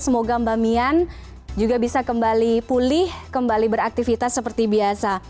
semoga mbak mian juga bisa kembali pulih kembali beraktivitas seperti biasa